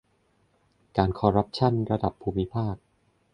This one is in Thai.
การคอร์รัปชั่นระดับภูมิภาค